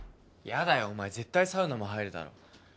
嫌だよお前絶対サウナも入るだろ。